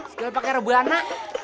sekali pake rebuh ana